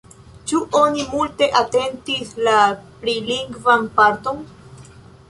Ĉu oni multe atentis la prilingvan parton?